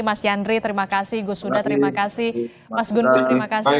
mas yandri terima kasih gus huda terima kasih mas gun gus terima kasih